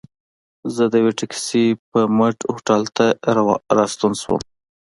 زه د یوه ټکسي پر مټ هوټل ته راستون شوم.